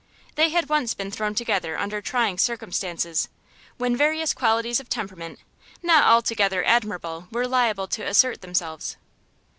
They had once been thrown together under trying circumstances, when various qualities of temperament not altogether admirable were liable to assert themselves.